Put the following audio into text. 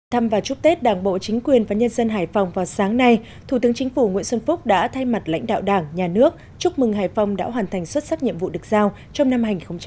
thăm và chúc tết đảng bộ chính quyền và nhân dân hải phòng vào sáng nay thủ tướng chính phủ nguyễn xuân phúc đã thay mặt lãnh đạo đảng nhà nước chúc mừng hải phòng đã hoàn thành xuất sắc nhiệm vụ được giao trong năm hai nghìn hai mươi